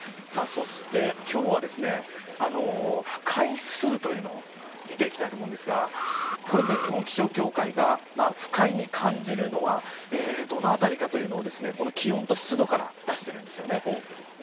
そして今日は不快指数というのを見ていきたいと思うんですがこれ日本気象協会が不快に感じるのはどのあたりかというのを気温と湿度から出しているんです。